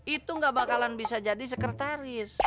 itu gak bakalan bisa jadi sekretaris